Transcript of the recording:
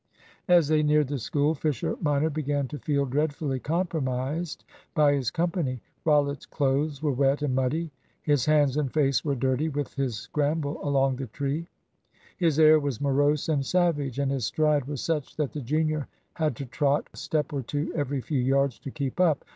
As they neared the school, Fisher minor began to feel dreadfully compromised by his company. Rollitt's clothes were wet and muddy; his hands and face were dirty with his scramble along the tree; his air was morose and savage, and his stride was such that the junior had to trot a step or two every few yards to keep up.